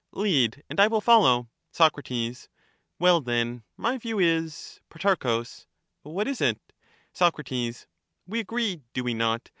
Pro, Lead, and I will follow. Soc, Well, then, my view is — Pro. What is it? Soc. We agree— do we not?